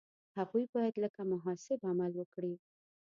هغوی باید لکه محاسب عمل وکړي.